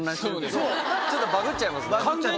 ちょっとバグっちゃいますね。